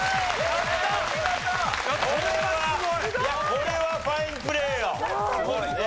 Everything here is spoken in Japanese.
これはファインプレーよ。